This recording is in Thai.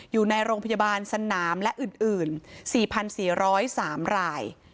อยู่ในโรงพยาบาลสนามและอื่น๔๔๐๓ราย